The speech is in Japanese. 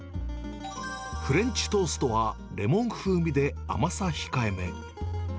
フレンチトーストはレモン風味で甘さ控えめ。